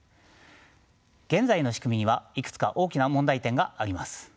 現在の仕組みにはいくつか大きな問題点があります。